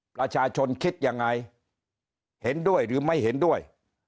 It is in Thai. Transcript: ประชาชนคิดยังไงเห็นด้วยหรือไม่เห็นด้วย